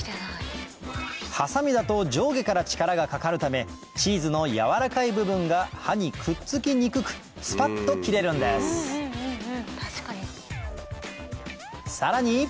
ハサミだと上下から力がかかるためチーズの軟らかい部分が刃にくっつきにくくスパっと切れるんですさらに